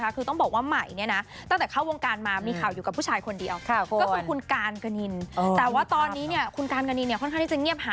ผมว่าดวิคขอความรักด้วยใช่ไหมครับ